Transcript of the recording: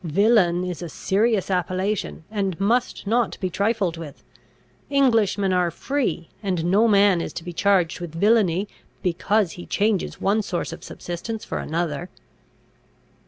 Villain is a serious appellation, and must not be trifled with. Englishmen are free; and no man is to be charged with villainy, because he changes one source of subsistence for another."